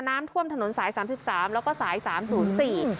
น้ำท่วมถนนสายสามสิบสามแล้วก็สายสามศูนย์สี่